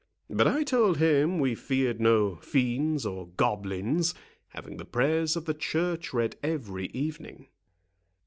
But I told him we feared no fiends or goblins, having the prayers of the Church read every evening."